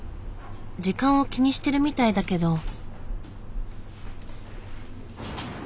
時間を気にしてるみたいだけど。